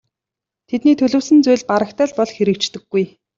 Тэдний төлөвлөсөн зүйл барагтай л бол хэрэгждэггүй.